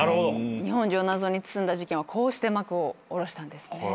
日本中を謎に包んだ事件はこうして幕を下ろしたんですね。